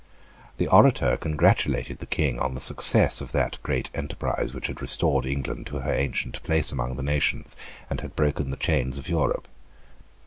The orator congratulated the King on the success of that great enterprise which had restored England to her ancient place among the nations, and had broken the chains of Europe.